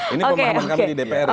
ini pemahaman kami di dpr ya